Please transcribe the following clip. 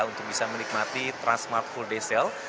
untuk bisa menikmati transmart full day sale